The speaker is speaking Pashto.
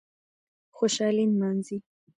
خوشالي نمانځي